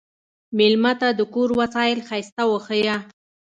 مېلمه ته د کور وسایل ښايسته وښیه.